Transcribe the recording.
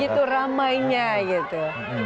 begitu ramainya gitu